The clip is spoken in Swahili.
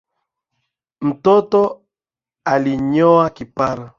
Mtoto alinyoa kipara